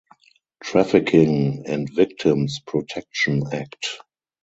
Trafficking and Victims Protection Act.